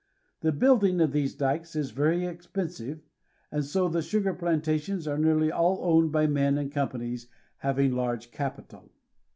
The building of these dikes is very expensive, and so the sugar plantations are nearly all owned by men and companies having large capital.